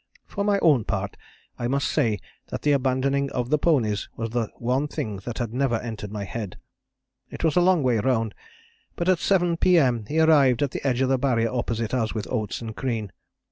For my own part I must say that the abandoning of the ponies was the one thing that had never entered my head. It was a long way round, but at 7 P.M. he arrived at the edge of the Barrier opposite us with Oates and Crean.